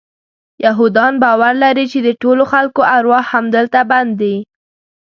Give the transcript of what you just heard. یهودان باور لري چې د ټولو خلکو ارواح همدلته بند دي.